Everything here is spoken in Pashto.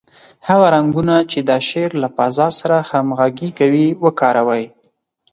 هغه رنګونه چې د شعر له فضا سره همغږي کوي، وکاروئ.